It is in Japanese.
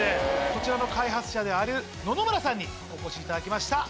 こちらの開発者野々村さんにお越しいただきました。